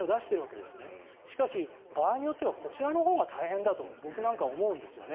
でも、場合によってはこちらのほうが大変だと僕なんかは思うんですよね。